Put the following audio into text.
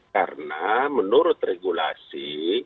karena menurut regulasi